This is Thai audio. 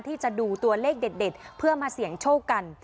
ที่จะดูตัวเลขเด็ดเพื่อมาเสี่ยงโชคกัน